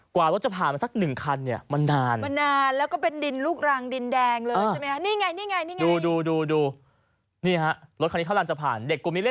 กว่ารถจะผ่านสักหนึ่งคันนี่